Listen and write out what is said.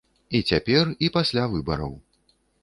І цяпер, і пасля выбараў.